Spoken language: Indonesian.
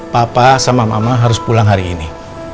papa sama mama harus pulang hari ini